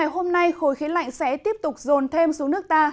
hôm nay khối khí lạnh sẽ tiếp tục rồn thêm xuống nước ta